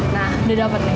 nah udah dapet nih